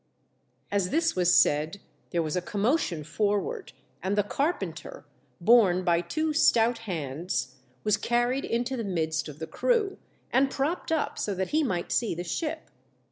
As this was said there was a commotion forward, and the carpenter, borne by two stout hands, was carried into the midst of the crew, and propped up so that he might see the ship.